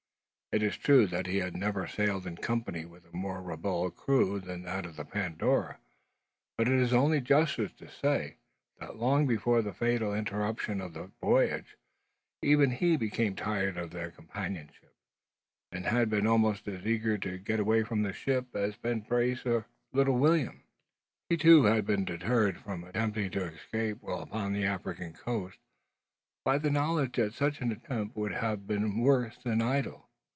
It is true that he had never sailed in company with a more ribald crew than that of the Pandora; but it is only justice to say, that, long before the fatal interruption of that voyage, even he had become tired of their companionship, and had been almost as eager to get away from the ship as Ben Brace or little William. He, too, had been deterred from attempting to escape while upon the African coast, by the knowledge that such an attempt would have been worse than idle.